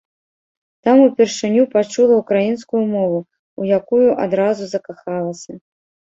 Там упершыню пачула ўкраінскую мову, у якую адразу закахалася.